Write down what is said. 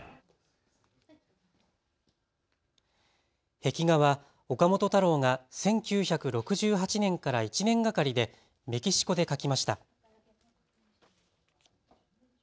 壁画は岡本太郎が１９６８年から１年がかりでメキシコで描きました。